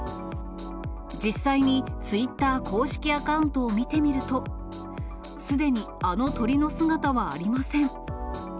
実際に、ツイッター公式アカウントを見てみると、すでにあの鳥の姿はありません。